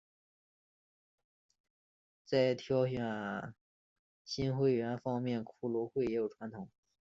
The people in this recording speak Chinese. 在挑选新会员方面骷髅会也有传统。